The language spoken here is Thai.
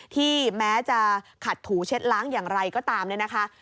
แม้จะขัดถูเช็ดล้างอย่างไรก็ตามเนี่ยนะคะ